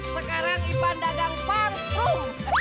sekarang i pandagang parfum